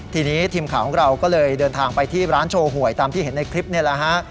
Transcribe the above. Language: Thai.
ทีนี้ทีมข่าวของเราก็เลยเดินทางไปที่ร้านโชว์หวยตามที่เห็นในคลิปนี่แหละฮะ